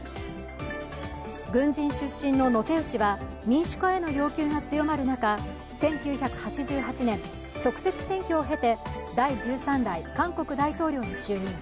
軍人出身のノ・テウ氏は民主化への要求が強まる中、１９８８年、直接選挙を経て第１３代韓国大統領に就任。